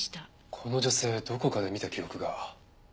この女性どこかで見た記憶が。